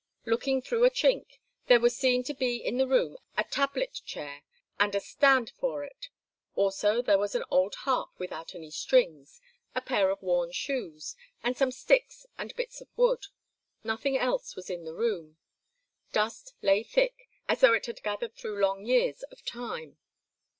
Looking through a chink, there was seen to be in the room a tablet chair and a stand for it; also there was an old harp without any strings, a pair of worn shoes, and some sticks and bits of wood. Nothing else was in the room. Dust lay thick, as though it had gathered through long years of time.